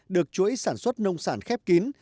được chuỗi sản xuất nông sản khép kín